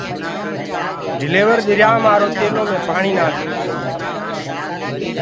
ڊليور ڏريا مآرو تيلو مي پآڻيٚ ناکِ ديٚس